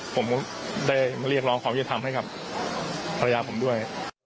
ผมเลยได้ที่มาเรียกร้องความวิถีการ์ฟให้กับภรรยาผมด้วย